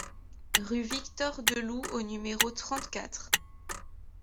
Rue Victor Delloue au numéro trente-quatre